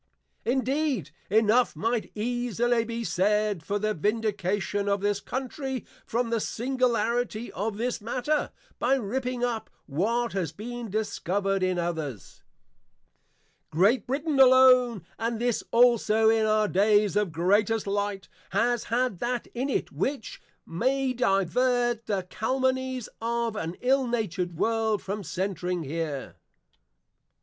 Indeed, enough might easily be said for the vindication of this Country from the Singularity of this matter, by ripping up, what has been discovered in others. Great Brittain alone, and this also in our days of Greatest Light, has had that in it, which may divert the Calumnies of an ill natured World, from centring here.